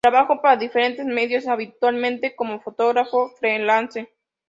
Trabajó para diferentes medios, habitualmente como fotógrafo freelance.